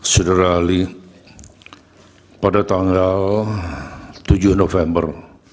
sedara ali pada tanggal tujuh november dua ribu dua puluh tiga